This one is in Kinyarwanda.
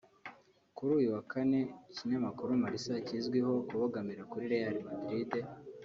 Kuri uyu wa Kane ikinyamakuru Marca kizwi ho kubogamira kuri Real Madrid